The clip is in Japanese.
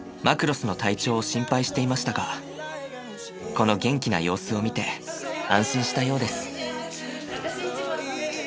マクロスの体調を心配していましたがこの元気な様子を見て安心したようです。